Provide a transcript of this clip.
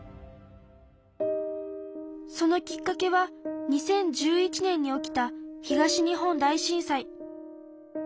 そのきっかけは２０１１年に起きた東日本大震災。